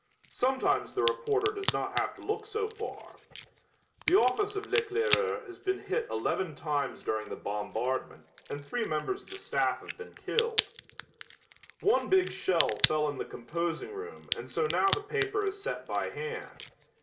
Sometimes the reporter does not have to look so far. The office of L'Eclaireur has been hit eleven times during the bombardment and three members of the staff have been killed. One big shell fell in the composing room and so now the paper is set by hand.